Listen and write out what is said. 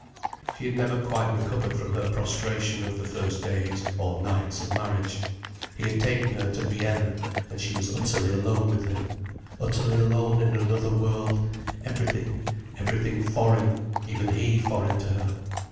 She had never quite recovered from her prostration of the first days, or nights, of marriage. He had taken her to Vienna, and she was utterly alone with him, utterly alone in another world, everything, everything foreign, even he foreign to her.